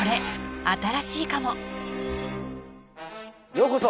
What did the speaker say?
ようこそ。